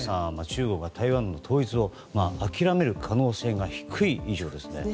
中国が台湾の統一を諦める可能性が低い印象ですね。